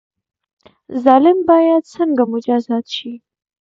ظالم باید څنګه مجازات شي؟